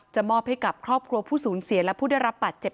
มอบให้กับครอบครัวผู้สูญเสียและผู้ได้รับบาดเจ็บ